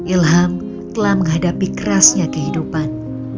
ilham telah menghadapi kerasnya kehidupan